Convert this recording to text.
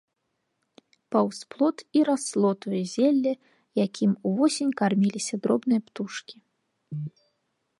Паўз плот і расло тое зелле, якім увосень карміліся дробныя птушкі.